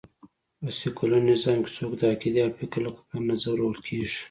په سکیولر نظام کې څوک د عقېدې او فکر له کبله نه ځورول کېږي